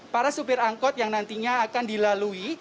para supir angkot yang nantinya akan dilalui